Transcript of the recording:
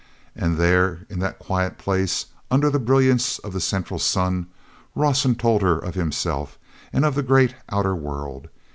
And there in that quiet place, under the brilliance of the central sun, Rawson told her of himself and of the great outer world.